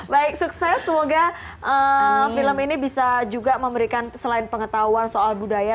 baik sukses semoga film ini bisa juga memberikan selain pengetahuan soal budaya